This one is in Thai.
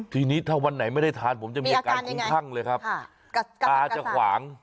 ทีนี้ถ้าวันไหนไม่ได้ทานผมจะมีอาการคุ้มคลั่งเลยครับตาจะขวาง